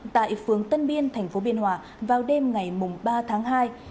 tại phường tân biên tp biên hòa vào đêm ngày ba tháng hai